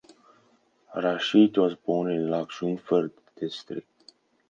Rashid was born in Lakshmipur District.